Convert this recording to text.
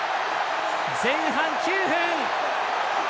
前半９分！